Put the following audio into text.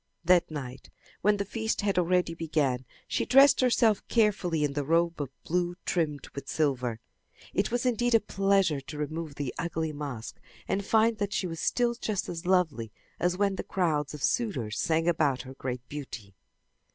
That night when the feast had already begun, she dressed herself carefully in the robe of blue trimmed with silver. It was indeed a pleasure to remove the ugly mask and find that she was still just as lovely as when the crowds of suitors sang about her great beauty.